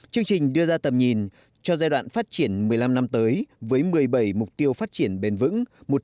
chương trình đưa ra tầm nhìn cho giai đoạn phát triển một mươi năm năm tới với một mươi bảy mục tiêu phát triển bền vững